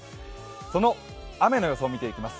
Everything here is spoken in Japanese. その雨の予想を見ていきます。